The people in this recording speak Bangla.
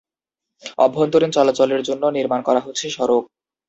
অভ্যন্তরীণ চলাচলের জন্য নির্মাণ করা হচ্ছে সড়ক।